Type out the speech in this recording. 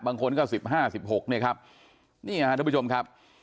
บางคนก็๑๕๑๖นะครับนี่ค่ะท่านผู้ชมครับ